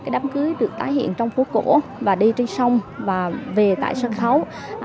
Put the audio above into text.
đám cưới được tái hiện trong phố cổ đi trên sông về tại sân khấu